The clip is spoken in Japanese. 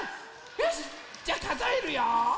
よしじゃかぞえるよ。